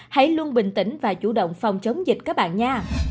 hãy luôn bình tĩnh và chủ động phòng chống dịch các bạn nha